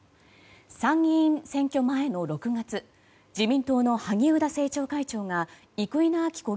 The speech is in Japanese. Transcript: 参議院選挙前の６月自民党の萩生田政調会長が生稲晃子